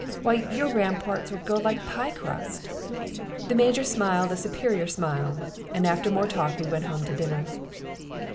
"Why, your ramparts would go like pie crust." The Major smiled a superior smile, and after more talk we went home to dinner.